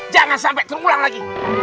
jangan sampai terulang lagi